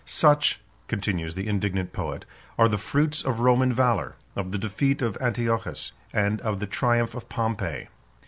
Such," continues the indignant poet, "are the fruits of Roman valor, of the defeat of Antiochus, and of the triumph of Pompey."